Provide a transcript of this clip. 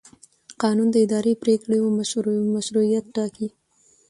قانون د اداري پرېکړو مشروعیت ټاکي.